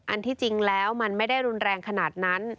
อันที่จริงแล้วมันไม่ได้รุนแรงขนาดนั้น